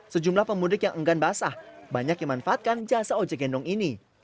sejumlah pemudik yang enggan basah banyak yang manfaatkan jasa ojek gendong ini